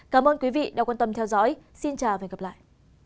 cảm ơn quý vị đã quan tâm theo dõi xin chào và hẹn gặp lại